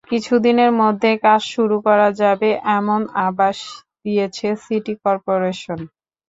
কিছুদিনের মধ্যে কাজ শুরু করা যাবে, এমন আভাস দিয়েছে সিটি করপোরেশন।